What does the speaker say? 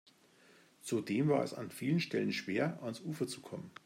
Zudem war es an vielen Stellen schwer, ans Ufer zu kommen.